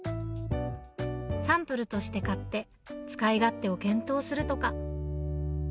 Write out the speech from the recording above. サンプルとして買って、使い勝手を検討するとか。